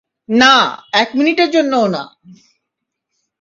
না, একটা মিনিটের জন্যও না!